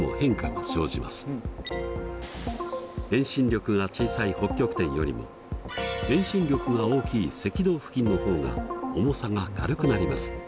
遠心力が小さい北極点よりも遠心力が大きい赤道付近の方が重さが軽くなります。